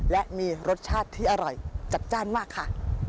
และมีรสชาติที่อร่อยจัดจ้านมากค่ะ